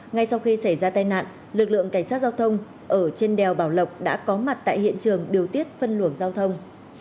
ngay sau khi xảy ra tai nạn lực lượng cảnh sát giao thông ở trên đèo bảo lộc đã có mặt tại hiện trường điều tiết phân luồng giao thông